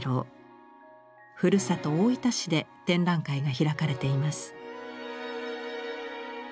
ふるさと大分市で展覧会が開かれています。